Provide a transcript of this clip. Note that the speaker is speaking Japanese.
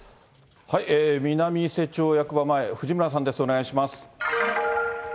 南伊勢町役場前、藤村さんです、お願いします。